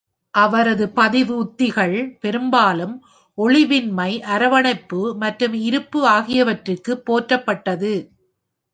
அவரது பதிவு உத்திகள் பெரும்பாலும் ஒளிவின்மை, அரவணைப்பு மற்றும் இருப்பு ஆகியவற்றுக்கு போற்றப்பட்டது.